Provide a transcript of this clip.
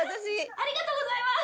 ありがとうございます！